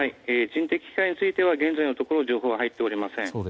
人的被害については現在のところ情報は入っておりません。